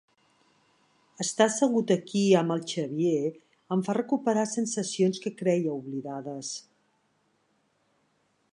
Estar assegut aquí amb el Xavier em fa recuperar sensacions que creia oblidades.